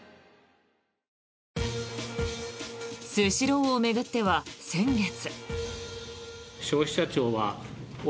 スシローを巡っては先月。